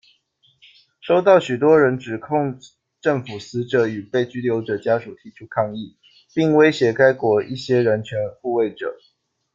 收到许多人指控政府死者与被拘留者家属提出抗议，并威胁该国的一些人权护卫者。